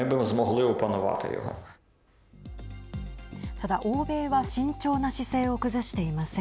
ただ、欧米は慎重な姿勢を崩していません。